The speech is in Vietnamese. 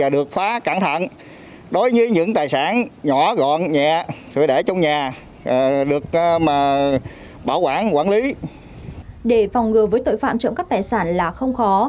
để phòng ngừa với tội phạm trộm cắp tài sản là không khó